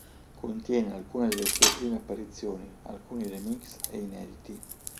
Contiene alcune delle sue prime apparizioni, alcuni remix, e inediti.